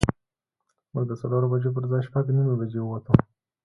موږ د څلورو بجو پر ځای شپږ نیمې بجې ووتو.